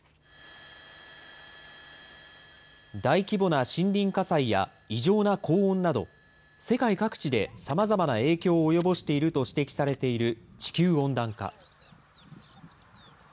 大規模な森林火災や異常な高温など、世界各地でさまざまな影響を及ぼしていると指摘されている地球温暖化。